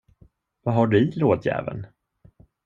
Vad har du i lådjäveln?